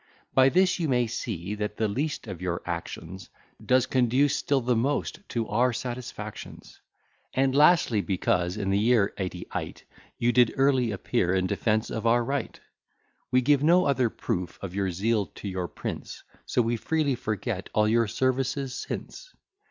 By this you may see that the least of your actions Does conduce still the most to our satisfactions. And lastly, because in the year eighty eight You did early appear in defence of our right, We give no other proof of your zeal to your Prince; So we freely forget all your services since.